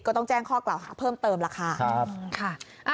ก็ต้องแจ้งข้อกล่าวเพิ่มเติมราคา